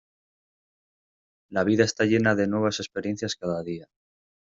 La vida está llena de nuevas experiencias cada día.